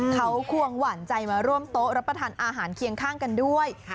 เขาควงหวานใจมาร่วมโต๊ะรับประทานอาหารเคียงข้างกันด้วย